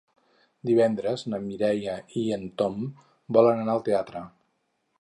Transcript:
Divendres na Mireia i en Tom volen anar al teatre.